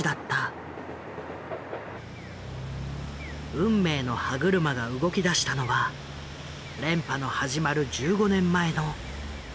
運命の歯車が動きだしたのは連覇の始まる１５年前の１９６４年。